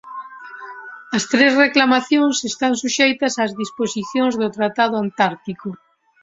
As tres reclamacións están suxeitas ás disposicións do Tratado Antártico.